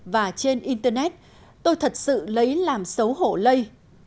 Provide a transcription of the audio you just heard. và trên internet tôi thật sự lấy làm xấu hổ lây